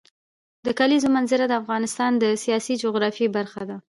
د کلیزو منظره د افغانستان د سیاسي جغرافیه برخه ده.